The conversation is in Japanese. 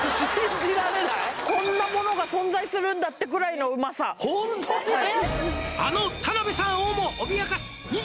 こんなものが存在するんだってくらいのうまさ「あの田辺さんをも脅かす」